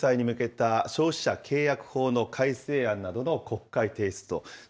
被害者救済に向けた消費者契約法の改正案などの国会提出と。